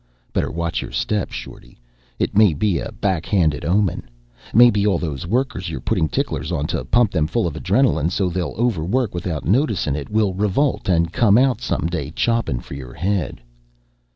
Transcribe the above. Better watch your step, Shorty. It may be a back handed omen. Maybe all those workers you're puttin' ticklers on to pump them full of adrenaline so they'll overwork without noticin' it will revolt and come out some day choppin' for your head."